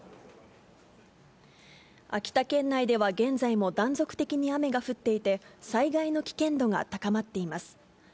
秋田県内では、現在も断続的に雨が降っていて、災害の危険度が高まっています。